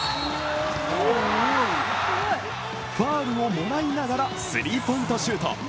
ファウルをもらいながらスリーポイントシュート。